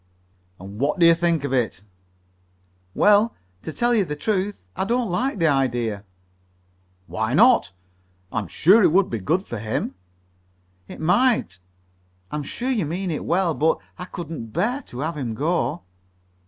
"And what do you think of it?" "Well, to tell you the truth, I don't like the idea." "Why not? I'm sure it would be good for him." "It might. I'm sure you mean it well, but I couldn't bear to have him go."